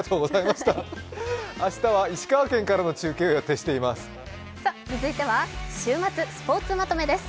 明日は石川県からの中継を予定しています。